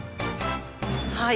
はい。